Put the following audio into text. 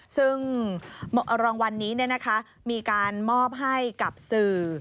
ซึ่งรางวัลนี้มีการมอบให้กับสื่อ